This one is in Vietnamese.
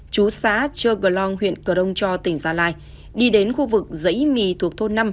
chú xã chư cờ long huyện cờ đông cho tỉnh gia lai đi đến khu vực dãy mì thuộc thôn năm